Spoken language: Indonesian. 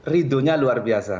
riduhnya luar biasa